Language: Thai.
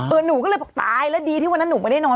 หนูก็เลยบอกตายแล้วดีที่วันนั้นหนูไม่ได้นอน